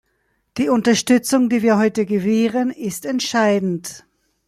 Die Unterstützung, die wir heute gewähren, ist entscheidend.